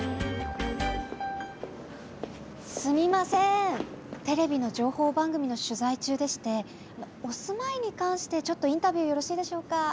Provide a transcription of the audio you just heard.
すみませんテレビの情報番組の取材中でしてお住まいに関してちょっとインタビューよろしいでしょうか？